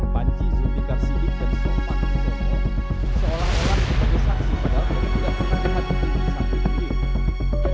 panji zubikar sidik dan sobat jomo seolah olah tidak disaksi padahal mereka tidak terlihat di saksi diri